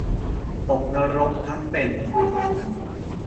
ตกนรกทั้งเป็น